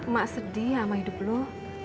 mak sedih sama hidup lo